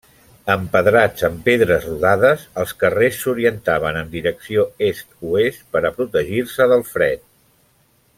Empedrats amb pedres rodades, els carrers s'orientaven en direcció est-oest per a protegir-se del fred.